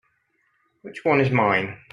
Which one is mine?